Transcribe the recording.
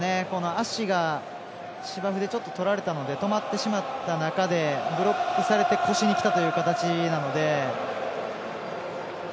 足が芝生でちょっととられたので止まってしまった中でブロックされて腰にきたという形なので。